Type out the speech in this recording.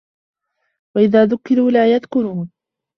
وَإِذا ذُكِّروا لا يَذكُرونَ